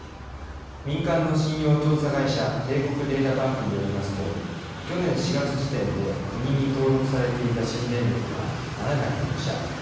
民間の信用調査会社帝国データバンクによりますと去年４月時点で国に登録されていた新電力は７０６社。